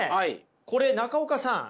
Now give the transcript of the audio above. これ中岡さん。